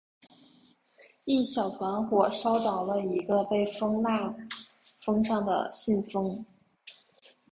一小团火烧着了一个被封蜡封上的信封。